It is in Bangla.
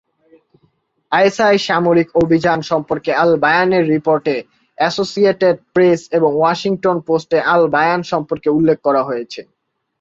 আইএসআইএস সামরিক অভিযান সম্পর্কে আল-বায়ানের রিপোর্টে অ্যাসোসিয়েটেড প্রেস এবং ওয়াশিংটন পোস্টে আল-বায়ান সম্পর্কে উল্লেখ করা হয়েছে।